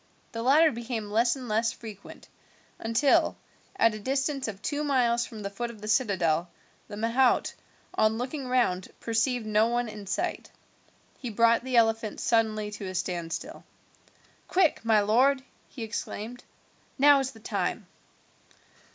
The latter became less and less frequent, until, at a distance of two miles from the foot of the citadel, the mahout, on looking round, perceived no one in sight. He brought the elephant suddenly to a standstill. "Quick, my lord," he exclaimed, "now is the time."